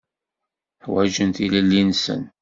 Ḥwaǧen tilelli-nsen.